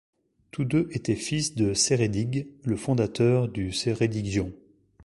Tous deux étaient fils de Ceredig, le fondateur du Ceredigion.